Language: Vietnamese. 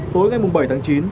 tối ngày bảy tháng chín